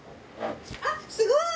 あっすごい！